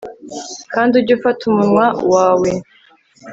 kandi ujye ufata umunwa wawe